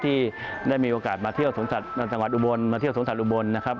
ที่ได้มีโอกาสมาเที่ยวสวนสัตว์จังหวัดอุบลมาเที่ยวสวนสัตว์อุบลนะครับ